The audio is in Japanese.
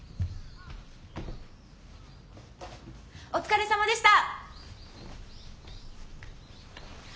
お疲れさまでした！